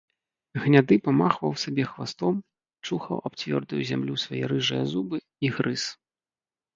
Гняды памахваў сабе хвастом, чухаў аб цвёрдую зямлю свае рыжыя зубы і грыз.